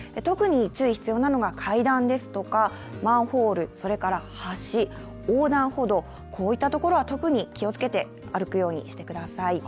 特に注意が必要なのが階段ですとかマンホール、それから橋、横断歩道、こういったところは特に気をつけて歩くようにしてください。